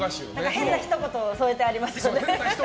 変なひと言添えてありますよね。